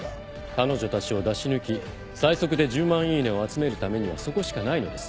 彼女たちを出し抜き最速で１０万イイネを集めるためにはそこしかないのです。